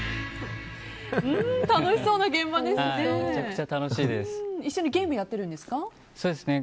楽しそうな現場ですね。